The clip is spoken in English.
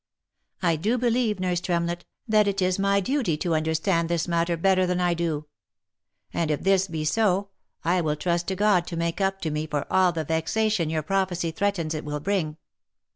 I do believe, nurse Tremlett, that it is my duty to understand this mat ter better than I do ; and if this be so, I will trust to God to make up to me for all the vexation your prophecy threatens it will bring."